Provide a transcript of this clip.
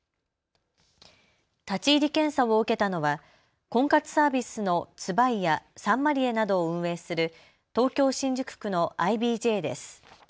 立ち入り検査を受けたのは婚活サービスのＺＷＥＩやサンマリエなどを運営する東京新宿区のＩＢＪです。